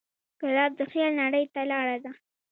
ګلاب د خیال نړۍ ته لاره ده.